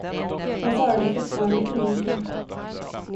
Han svarade fortfarande ingenting.